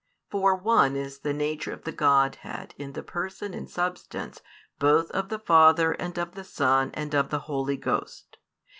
For one is the nature of the Godhead in the person and substance both of the Father and of the Son and of the Holy Ghost.